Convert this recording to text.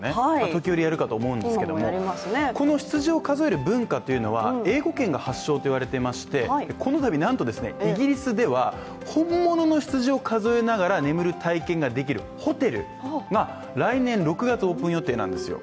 時折やるかと思うんですけども、この羊を数える文化というのは英語圏が発祥といわれていましてこのたび、なんとイギリスでは本物の羊を数えながら眠る体験ができるホテルが来年６月オープン予定なんですよ。